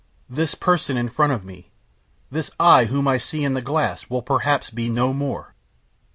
This person in front of me, this 'I' whom I see in the glass, will perhaps be no more.